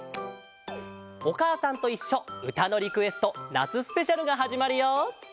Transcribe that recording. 「おかあさんといっしょうたのリクエストなつスペシャル」がはじまるよ！